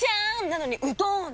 なのにうどーん！